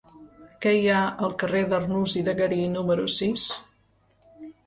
Què hi ha al carrer d'Arnús i de Garí número sis?